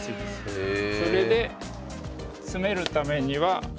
それで詰めるためには。